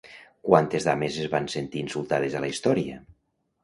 Quantes dames es van sentir insultades a la història?